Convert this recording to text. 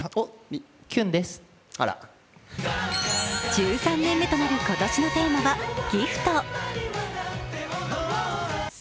１３年目となる今年のテーマは「ＧＩＦＴギフト」。